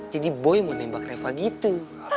jadi boy mau nembak reva gitu